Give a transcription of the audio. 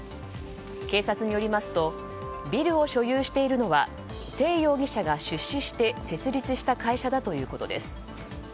警察によりますとビルを所有しているのはテイ容疑者が出資して設立した会社だということです。